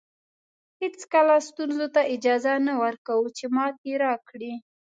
هېڅکله ستونزو ته اجازه نه ورکوو چې ماتې راکړي.